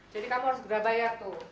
jadi kamu harus berapa bayar tuh